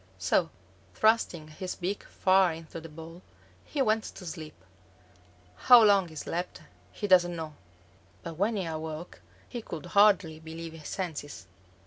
So thrusting his beak far into the ball, he went to sleep. How long he slept he doesn't know, but when he awoke he could hardly believe his senses.